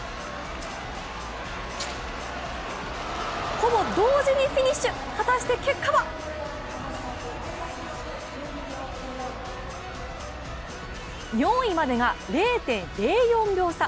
ほぼ同時にフィニッシュ、果たして結果は４位までが０．０４秒差。